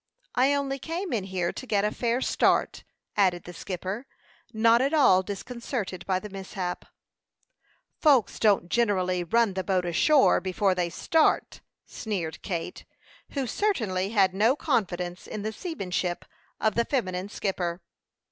"I only came in here to get a fair start," added the skipper, not at all disconcerted by the mishap. "Folks don't generally run the boat ashore before they start," sneered Kate, who certainly had no confidence in the seamanship of the feminine skipper.